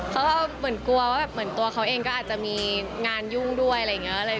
เหมือนกลัวว่าเหมือนตัวเขาเองก็อาจจะมีงานยุ่งด้วยอะไรอย่างนี้